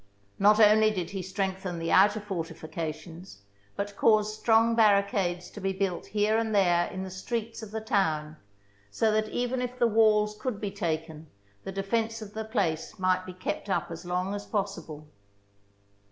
Not only did he strengthen the outer fortifications, but caused strong barricades to be built here and there in the streets of the town so that even if the walls could be taken the defence of the place might be kept up as long as possible.